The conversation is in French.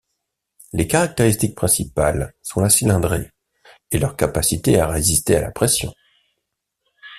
Les caractéristiques principales sont la cylindrée et leur capacité à résister à la pression.